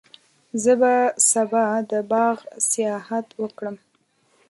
زه به سبا د باغ سیاحت وکړم.